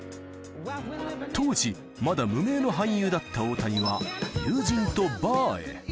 当時、まだ無名の俳優だった大谷は、友人とバーへ。